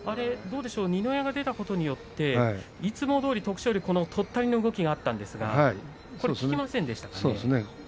二の矢が出たことによっていつもどおり徳勝龍とったりの動きがあったんですが効きませんでしたね。